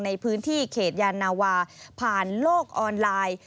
ในพื้นที่เขตยานาวาผ่านโลกออนไลน์